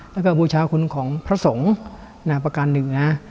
แล้วก็บูชาคุณของพระสงฆ์ประการหนึ่งนะ